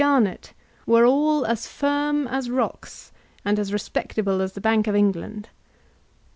Garnett were all as firm as rocks and as respectable as the Bank of England.